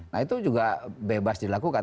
nah itu juga bebas dilakukan